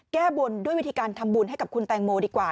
แก้บนด้วยวิธีการทำบุญให้กับคุณแตงโมดีกว่า